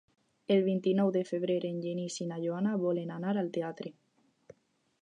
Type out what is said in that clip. El vint-i-nou de febrer en Genís i na Joana volen anar al teatre.